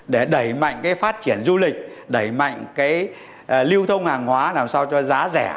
để đẩy mạnh cái phát triển du lịch đẩy mạnh cái lưu thông hàng hóa làm sao cho giá rẻ